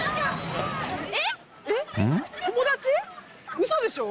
ウソでしょ？